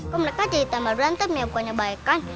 kok mereka jadi tambah berantem ya bukannya baikan